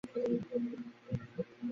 এইভাবে দিন পার করতে লাগিলাম।